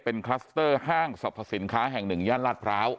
เป็นคลัสเตอร์ห้างสรรพสินค้าแห่งหนึ่งย่านลาดพร้าว